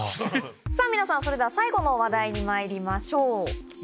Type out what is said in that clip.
さぁ皆さんそれでは最後の話題にまいりましょう。